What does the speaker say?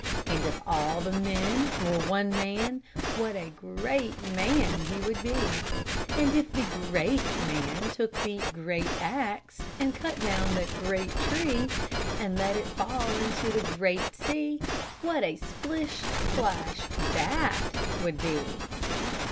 And if all the men were one man, What a great man he would be! And if the great man took the great axe, And cut down the great tree, And let it fall into the great sea, What a splish splash that would be!